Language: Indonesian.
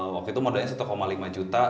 waktu itu modalnya satu lima juta